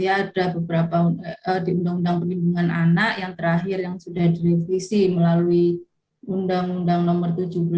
ada beberapa di undang undang perlindungan anak yang terakhir yang sudah direvisi melalui undang undang nomor tujuh belas